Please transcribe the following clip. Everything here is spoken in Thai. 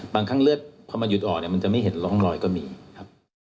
บางครั้งเลือดพอมันหยุดออกเนี่ยมันจะไม่เห็นร่องรอยก็มีครับ